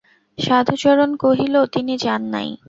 সাধুচরণ কহিল, তিনি যান নাই।